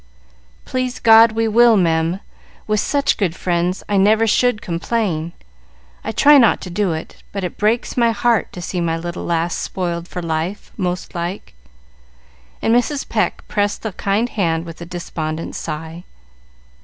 "Please God, we will, mem! With such good friends, I never should complain. I try not to do it, but it breaks my heart to see my little lass spoiled for life, most like;" and Mrs. Pecq pressed the kind hand with a despondent sigh.